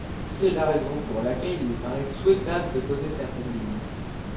C’est la raison pour laquelle il me paraît souhaitable de poser certaines limites.